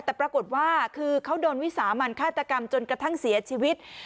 แต่ปรากฏว่าคือเขาโดนวิสามันฆาตกรรมจนกระทั่งเสียชีวิต